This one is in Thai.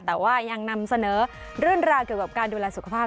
แต่ว่ายังนำเสนอเรื่องราวเกี่ยวกับการดูแลสุขภาพ